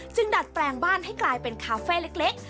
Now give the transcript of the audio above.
ดัดแปลงบ้านให้กลายเป็นคาเฟ่เล็ก